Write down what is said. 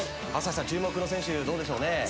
朝日さん注目の選手どうでしょうね？